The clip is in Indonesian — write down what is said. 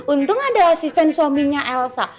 untung ada asisten suaminya elsa